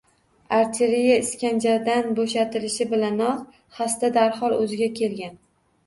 Arteriya iskanjadan bo‘shatilishi bilanoq xasta darhol o‘ziga kelgan